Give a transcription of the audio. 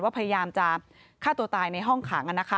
พยายามจะฆ่าตัวตายในห้องขัง